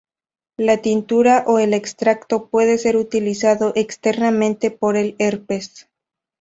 La tintura o el extracto puede ser utilizado externamente para el herpes.